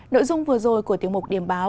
nội dung vừa rồi của tiếng mục điểm báo